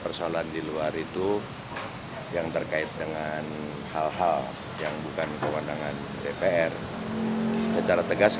pemeriksaan iktp ini dilakukan oleh agus martowadoyo